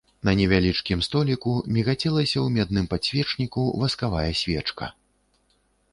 На невялічкім століку мігацелася ў медным падсвечніку васковая свечка.